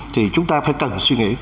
thì chúng ta phải cần suy nghĩ